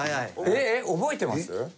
えっ覚えてます？